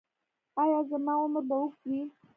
ایا زما عمر به اوږد وي؟